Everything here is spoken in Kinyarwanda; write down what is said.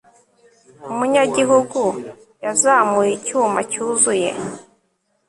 umunyagihugu yazamuye icyuma cyuzuye